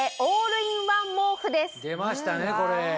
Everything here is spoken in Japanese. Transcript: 出ましたねこれ。